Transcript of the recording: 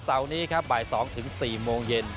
เสานี้ครับบ่าย๒๔โมงเย็น